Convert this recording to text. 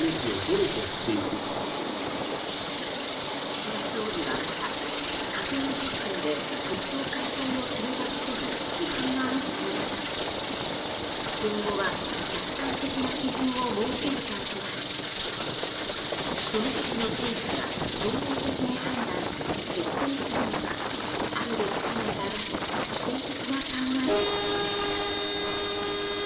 岸田総理はまた、閣議決定で国葬開催を決めたことに批判が相次ぐ中、今後は客観的な基準を設けるか問われその時の政府が総合的に判断し決定するのがあるべき姿だと否定的な考えを示しました。